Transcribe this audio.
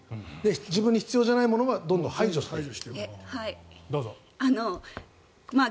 自分に必要じゃないものはどんどん排除していくと。